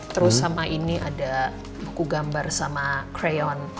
terus sama ini ada buku gambar sama creyon